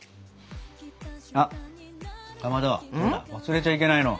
あっかまどほら忘れちゃいけないの。